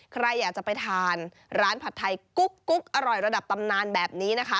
ใครอยากจะไปทานร้านผัดไทยกุ๊กอร่อยระดับตำนานแบบนี้นะคะ